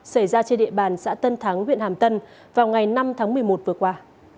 xảy ra trên địa bàn xã tân thắng huyện hàm tân vào ngày năm tháng một mươi một vừa qua